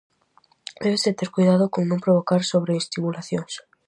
Débese ter coidado con non provocar sobreestimulacións.